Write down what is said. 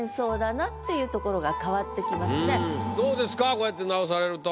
こうやって直されると。